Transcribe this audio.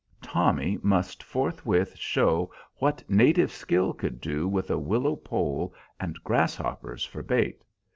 Tommy must forthwith show what native skill could do with a willow pole and grasshoppers for bait.